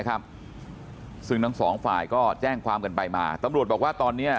เอาเป็นว่าทั้ง๒ฝั่งยังให้การไม่ตรงกันสำหรับข้อมูลนะครับ